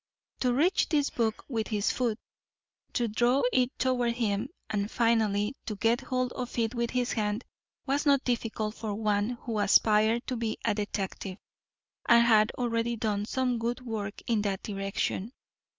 To reach this book with his foot, to draw it toward him, and, finally, to get hold of it with his hand, was not difficult for one who aspired to be a detective, and had already done some good work in that direction.